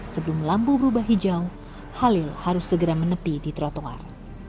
sebelum lampu berubah hijau halil harus segera menepi di trotoar